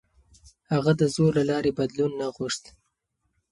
هغه د زور له لارې بدلون نه غوښت.